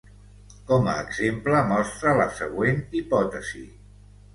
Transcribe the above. Com a exemple, mostra la següent hipòtesi.